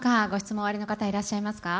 おありの方、いらっしゃいますか。